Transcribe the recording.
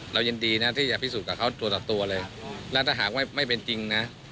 เรายินดีนะที่จะพิสูจน์กับเขาตัวต่อตัวเลยและถ้าหากว่าไม่เป็นจริงนะ